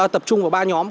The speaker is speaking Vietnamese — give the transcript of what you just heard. tập trung vào ba nhóm